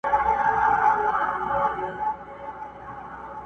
o پر خره يوه لپه اوربشي ډېري دي٫